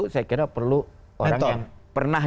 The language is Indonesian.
saya kira perlu orang yang pernah